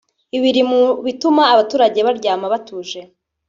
Ibi biri mu bituma abaturage baryama batuje